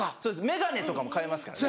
メガネとかも買えますからね。